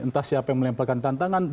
entah siapa yang melemparkan tantangan